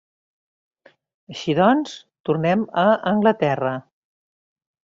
Així doncs, tornem a Anglaterra.